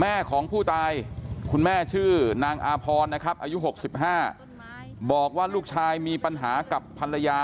แม่ของผู้ตายคุณแม่ชื่อนางอาพรนะครับอายุ๖๕บอกว่าลูกชายมีปัญหากับภรรยา